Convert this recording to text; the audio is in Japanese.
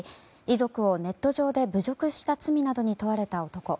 遺族をネット上で侮辱した罪などに問われた男。